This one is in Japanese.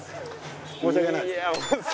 申し訳ないです。